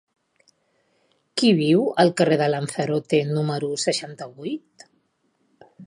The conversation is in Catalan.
Qui viu al carrer de Lanzarote número seixanta-vuit?